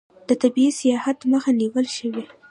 د طبي سیاحت مخه نیول شوې؟